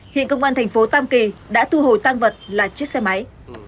hiện cơ quan thành phố tam kỳ đã thu hồi tăng vật là chiếc xe máy